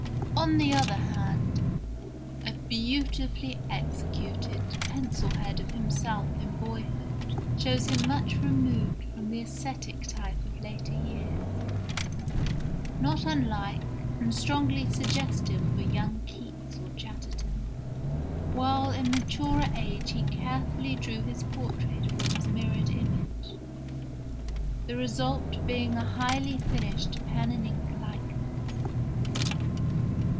On the other hand, a beautifully executed pencil head of himself in boyhood shows him much removed from the ascetic type of later years, not unlike and strongly suggestive of a young Keats or Chatterton; while in maturer age he carefully drew his portrait from his mirrored image, the result being a highly finished pen and ink likeness.